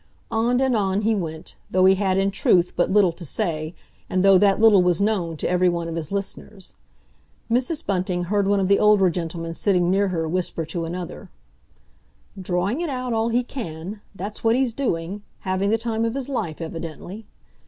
On and on, he went, though he had, in truth, but little to say, and though that little was known to every one of his listeners. Mrs. Bunting heard one of the older gentlemen sitting near her whisper to another: "Drawing it out all he can; that's what he's doing. Having the time of his life, evidently!"